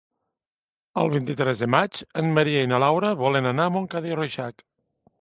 El vint-i-tres de maig en Maria i na Laura volen anar a Montcada i Reixac.